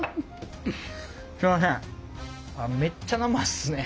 すいません。